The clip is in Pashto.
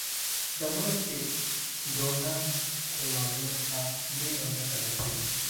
مرستې ډونر هیوادونو ته ډیره ګټه رسوي.